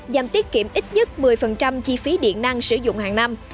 giảm tiết kiệm ít nhất một mươi chi phí điện năng sử dụng hàng năm